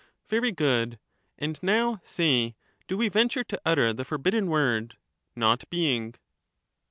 Very good ; and now say, do we venture to utter the forbidden word 'not being'?